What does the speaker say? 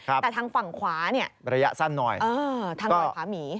แต่ทางฝั่งขวาระยะสั้นหน่อยทางดอยพามี